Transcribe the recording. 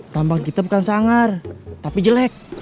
tambang kita bukan sangar tapi jelek